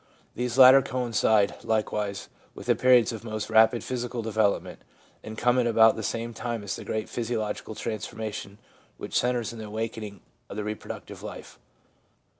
These latter coincide, like wise, with the periods of most rapid physical develop ment, and come at about the same time as the great physiological transformation which centres in the awak ening of the reproductive life.